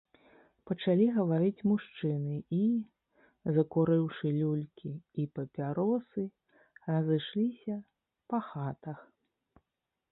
Пачалi гаварыць мужчыны i, закурыўшы люлькi i папяросы, разышлiся па хатах...